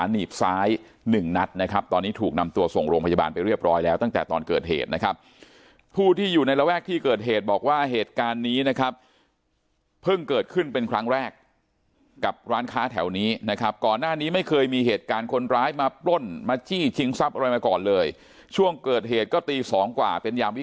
หนีบซ้ายหนึ่งนัดนะครับตอนนี้ถูกนำตัวส่งโรงพยาบาลไปเรียบร้อยแล้วตั้งแต่ตอนเกิดเหตุนะครับผู้ที่อยู่ในระแวกที่เกิดเหตุบอกว่าเหตุการณ์นี้นะครับเพิ่งเกิดขึ้นเป็นครั้งแรกกับร้านค้าแถวนี้นะครับก่อนหน้านี้ไม่เคยมีเหตุการณ์คนร้ายมาปล้นมาจี้ชิงทรัพย์อะไรมาก่อนเลยช่วงเกิดเหตุก็ตีสองกว่าเป็นยามวิ